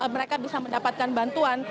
mereka bisa mendapatkan bantuan